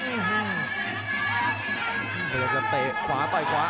พยายามจะเตะขวาต่อยขวา